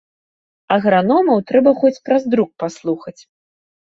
Аграномаў трэба хоць праз друк паслухаць.